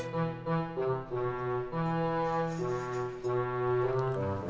seorang datang dari bumpan kesayangan